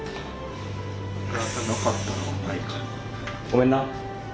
ごめんな。